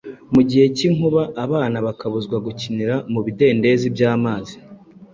mu gihe cy’inkuba. Abana bakabuzwa gukinira mu bidendezi by’amazi;